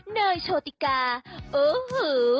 เนยโชว์ติ๊การ์โอ้หู